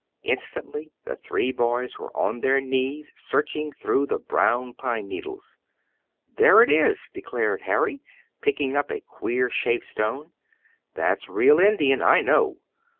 Instantly the three boys were on their knees searching through the brown pine needles. "There it is!" declared Harry, picking up a queer shaped stone. "That's real Indian I know.